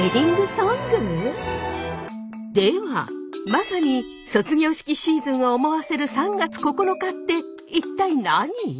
まさに卒業式シーズンを思わせる３月９日って一体何？